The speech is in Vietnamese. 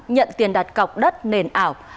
nhận tiền đặt cọc đất nền ảo